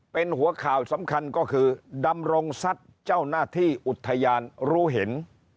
เป็นหัวข่าวสำคัญก็คือดำรงสัตว์เจ้าหน้าที่อุทยานรู้เห็น